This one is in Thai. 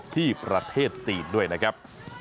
ที่ประเทศจีนด้วยนะครับ